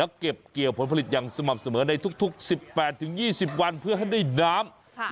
แล้วเก็บเกี่ยวผลผลิตอย่างสม่ำเสมอในทุกทุกสิบแปดถึงยี่สิบวันเพื่อให้ได้น้ำค่ะ